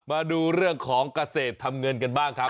มาดูเรื่องของเกษตรทำเงินกันบ้างครับ